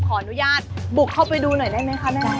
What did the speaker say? ขออนุญาตบุกเข้าไปดูหน่อยได้ไหมคะแม่น้ำ